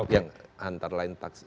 yang antara lain